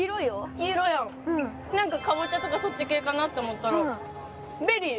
黄色やんなんかかぼちゃとかそっち系かなって思ったらベリー！